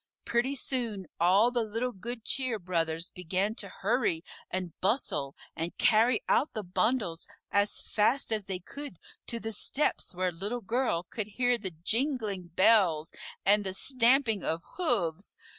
Pretty soon all the little Good Cheer Brothers began to hurry and bustle and carry out the bundles as fast as they could to the steps where Little Girl could hear the jingling bells and the stamping of hoofs.